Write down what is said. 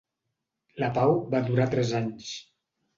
La pau va durar tres anys.